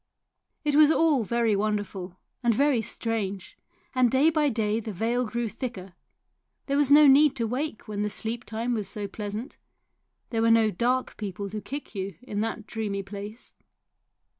It was all very wonderful and very strange, and day by day the veil grew thicker ; there was no need to wake when the sleeptime was so pleasant ; there were no dark people to kick you in that dreamy place.